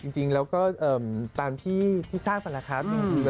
จริงแล้วก็ตามที่ที่สร้างก่อนละครับ